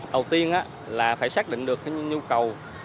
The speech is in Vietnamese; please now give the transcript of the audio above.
đầu tiên là phải xác định được cái nhu cầu